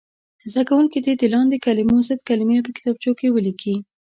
زده کوونکي دې د لاندې کلمو ضد کلمې په کتابچو کې ولیکي.